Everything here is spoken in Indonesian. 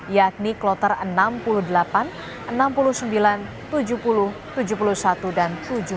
yakni kloter enam puluh delapan enam puluh sembilan tujuh puluh tujuh puluh satu dan tujuh puluh dua